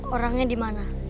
orangnya di mana